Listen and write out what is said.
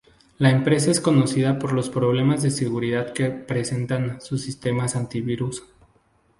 La empresa es conocida por los problemas de seguridad que presentan sus sistemas antivirus.